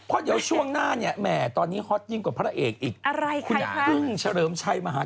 ก็บอกว่าจะเป็นแฟนกับกึ้งหรือเปล่า